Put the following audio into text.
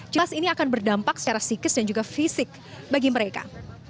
jelas ini akan berdampak secara psikis dan juga fisik bagi mereka